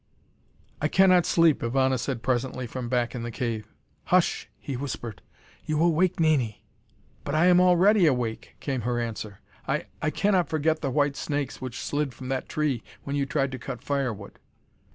"I cannot sleep," Ivana said presently, from back in the cave. "Hush," he whispered, "you will wake Nini." "But I am already awake!" came her answer. "I I cannot forget the white snakes which slid from that tree when you tried to cut firewood."